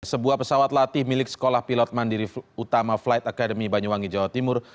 sebuah pesawat latih milik sekolah pilot mandiri utama flight academy banyuwangi jawa timur